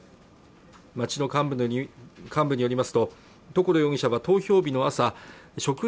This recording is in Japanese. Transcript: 町の幹部に幹部によりますと所容疑者は投票日の朝職員